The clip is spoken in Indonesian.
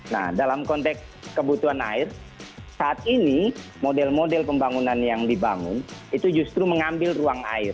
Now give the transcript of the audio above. nah dalam konteks kebutuhan air saat ini model model pembangunan yang dibangun itu justru mengambil ruang air